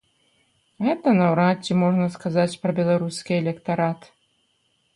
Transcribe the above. Гэта наўрад ці можна сказаць пра беларускі электарат.